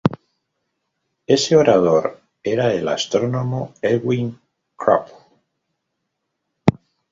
Ese orador era el astrónomo Edwin Krupp.